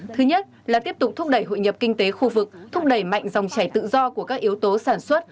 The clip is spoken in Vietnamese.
thứ nhất là tiếp tục thúc đẩy hội nhập kinh tế khu vực thúc đẩy mạnh dòng chảy tự do của các yếu tố sản xuất